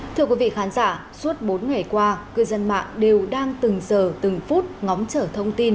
thưa quý vị khán giả suốt bốn ngày qua cư dân mạng đều đang từng giờ từng phút ngóng trở thông tin